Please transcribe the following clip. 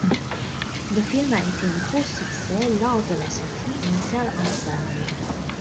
Le film a été un gros succès lors de sa sortie initiale en salles.